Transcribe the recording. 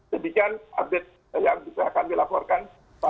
demikian update yang bisa kami laporkan